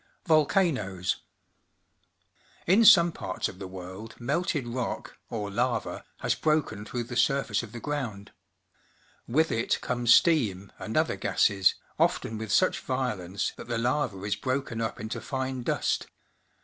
Volcanoes. — In some parts of the world melted rock, or lava, has broken through the surface of the gi ound. With it come steam and other gases, often with such \'iolence that the lava is broken up into fine dust.